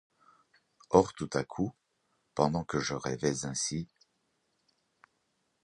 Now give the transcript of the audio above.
Or, tout à coup, pendant que je rêvais ainsi